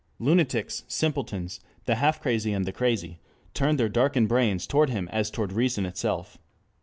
Lunatics, simpletons, the half crazy and the crazy turned their darkened brains toward him as toward reason itself.